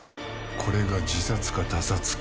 これが自殺か他殺か。